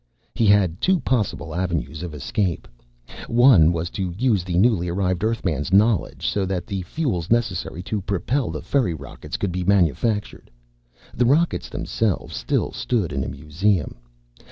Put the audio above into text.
He had two possible avenues of escape. One was to use the newly arrived Earthman's knowledge so that the fuels necessary to propel the ferry rockets could be manufactured. The rockets themselves still stood in a museum.